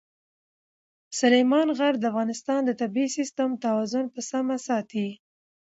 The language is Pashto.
سلیمان غر د افغانستان د طبعي سیسټم توازن په سمه ساتي.